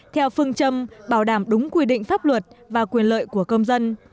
theo phương châm bảo đảm đúng quy định pháp luật và quyền lợi của công dân